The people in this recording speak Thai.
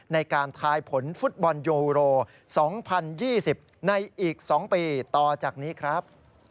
ในการทายผลฟุตบอลยูโร๒๐๒๐ในอีก๒ปีต่อจากนี้ครับ